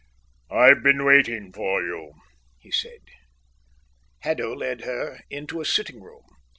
"I've been waiting for you," he said. Haddo led her into a sitting room.